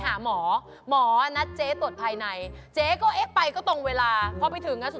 ตั้งด่านอยู่ตั้งด่านอยู่